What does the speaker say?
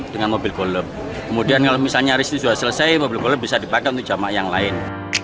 dengan mobil golf kemudian kalau misalnya risk itu sudah selesai mobil golf bisa dipakai untuk jamaah yang lain